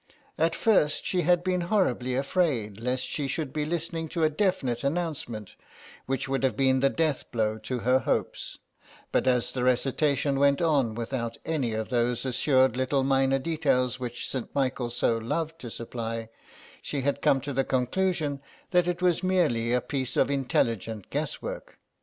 At first she had been horribly afraid lest she should be listening to a definite announcement which would have been the death blow to her hopes, but as the recitation went on without any of those assured little minor details which St. Michael so loved to supply, she had come to the conclusion that it was merely a piece of intelligent guesswork.